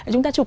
chúng ta chụp